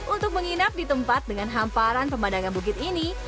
untuk menginap di tempat dengan hamparan pemandangan bukit ini